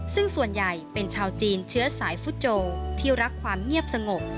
ซึ่งส่วนใหญ่เป็นชาวจีนเชื้อสายฟุตโจที่รักความเงียบสงบ